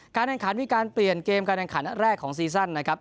แข่งขันมีการเปลี่ยนเกมการแข่งขันแรกของซีซั่นนะครับ